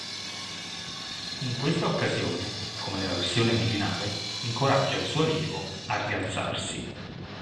In questa occasione, come nella versione originale, incoraggia il suo allievo a rialzarsi.